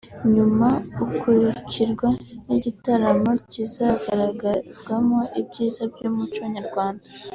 nyuma ukurikirwe n’igitaramo kizagaragarizwamo ibyiza by’umuco nyarwanda